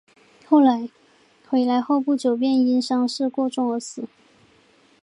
回来后不久便因伤势过重而死。